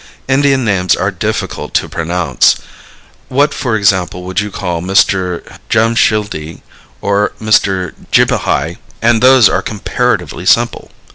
Indian names are difficult to pronounce. What, for example, would you call Mr. Jamshijdji or Mr. Jijibhai, and those are comparatively simple?